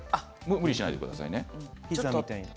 無理はしないでくださいね。